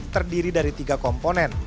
terdiri dari tiga komponen